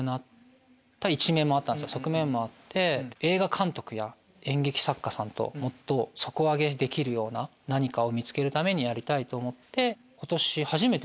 映画監督や演劇作家さんともっと底上げできるような何かを見つけるためにやりたいと思って。